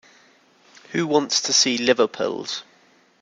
Who wants to see liver pills?